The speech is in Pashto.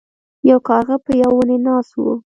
یو کارغه په یو ونې ناست و.